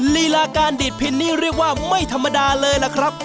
ลีลาการดีดพินนี่เรียกว่าไม่ธรรมดาเลยล่ะครับ